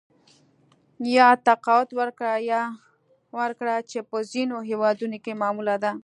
یا تقاعد ورکړه چې په ځینو هېوادونو کې معموله ده